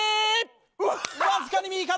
わずかに右か？